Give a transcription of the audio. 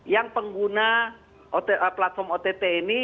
yang pengguna platform ott ini